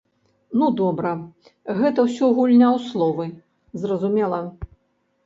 Ну добра, гэта ўсё гульня ў словы, зразумела.